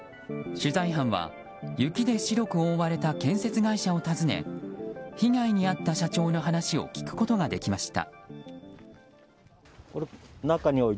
取材班は雪で白く覆われた建設会社を訪ね被害に遭った社長の話を聞くことができました。